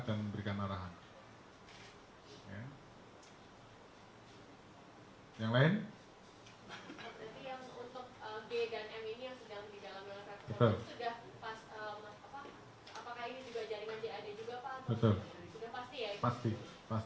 tidak boleh dibuka nanti kalau dibuka mereka tutup lagi